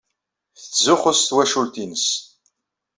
Tettzuxxu s twacult-nnes.